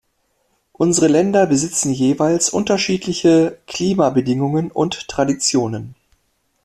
Unsere Länder besitzen jeweils unterschiedliche Klimabedingungen und Traditionen.